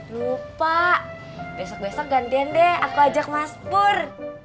lupa besok besok gantian deh aku ajak mas pur